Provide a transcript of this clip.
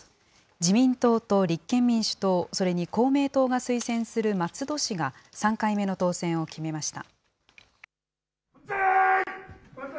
自民党と立憲民主党、それに公明党が推薦する松戸氏が３回目の当選を決めました。